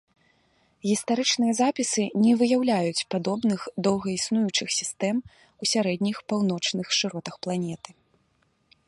Гістарычныя запісы не выяўляюць падобных доўга існуючых сістэм у сярэдніх паўночных шыротах планеты.